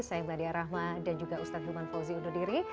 saya meladia rahma dan juga ustadz hilman fauzi undur diri